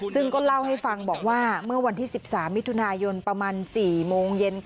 ซึ่งก็เล่าให้ฟังบอกว่าเมื่อวันที่๑๓มิถุนายนประมาณ๔โมงเย็น